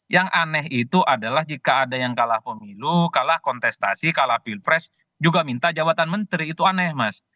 yang aneh itu adalah jika ada yang kalah pemilu kalah kontestasi kalah pilpres juga minta jabatan menteri itu aneh mas